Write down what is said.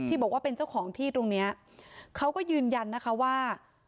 บอกว่าเป็นเจ้าของที่ตรงเนี้ยเขาก็ยืนยันนะคะว่า